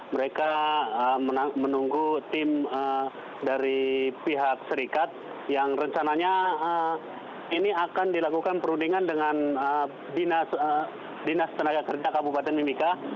mereka menunggu tim dari pihak serikat yang rencananya ini akan dilakukan perundingan dengan dinas tenaga kerja kabupaten mimika